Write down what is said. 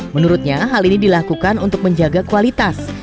menurutnya hal ini dilakukan untuk menjaga kualitas